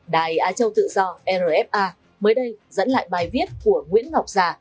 đài á châu tự do rfa mới đây dẫn lại bài viết của nguyễn ngọc già